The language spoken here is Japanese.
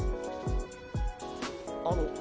あの。